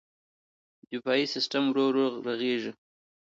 دفاعي سیستم ورو ورو رغېږي.